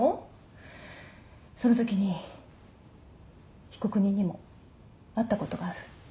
そのときに被告人にも会ったことがある。